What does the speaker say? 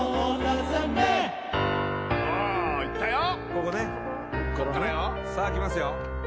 ここねこっからよさあきますよ